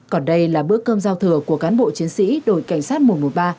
còn đây là bữa cơm giao thừa của cán bộ chiến sĩ đội cảnh sát mùa một mươi ba